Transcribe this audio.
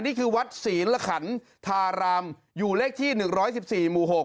นี่คือวัดศรีระขันธารามอยู่เลขที่๑๑๔หมู่๖